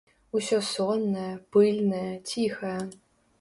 Усё соннае, пыльнае, ціхае.